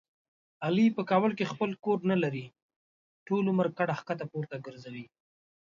علي په کابل کې خپل کور نه لري. ټول عمر کډه ښکته پورته ګرځوي.